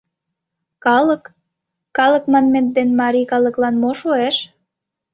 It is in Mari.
Калык, калык манмет дене марий калыклан мо шуэш?